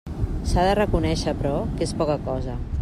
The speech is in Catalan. S'ha de reconéixer, però, que és poca cosa.